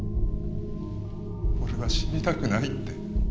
俺は死にたくないって。